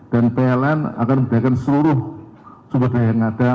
dan pln akan membiarkan seluruh sumber daya yang ada